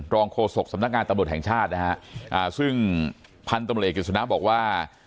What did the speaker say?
รองโคศกสำนักงานตำรวจแห่งชาติซึ่งพันธุ์ตำรวจเอกสุณะบอกว่า